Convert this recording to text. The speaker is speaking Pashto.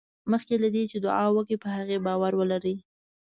مخکې له دې چې دعا وکړې په هغې باور ولرئ.